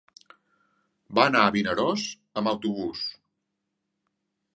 Va anar a Vinaròs amb autobús.